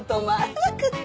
なくって。